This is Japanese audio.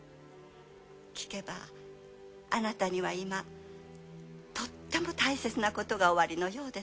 聞けばあなたには今とっても大切なことがおありのようですな。